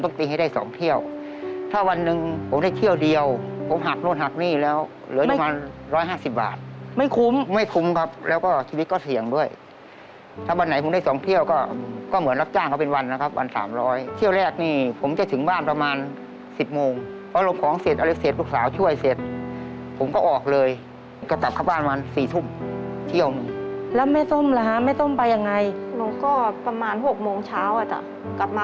จอดเดินรถรถจ้าคนละครันจ้า